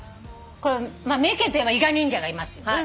三重県といえば伊賀忍者がいます。